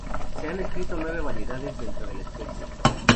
Se han descrito nueve variedades dentro de la especie.